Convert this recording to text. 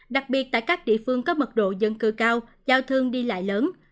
đặc biệt tại các địa phương có mật độ dân cư cao giao thương đi lại lớn